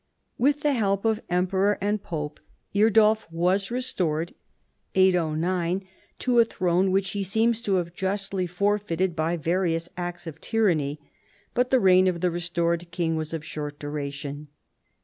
With the help of emperor and pope, Eardulf was restored (809) to a throne which he seems to have justly for feited by various acts of tyranny ; but the reign of the restored king was of short duration.